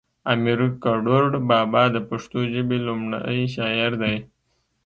امیر کړوړ بابا د پښتو ژبی لومړی شاعر دی